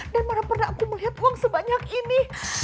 dan mana pernah aku melihat uang sebanyak ini